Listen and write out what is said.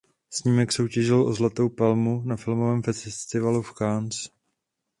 Snímek soutěžil o Zlatou palmu na Filmovém festivalu v Cannes.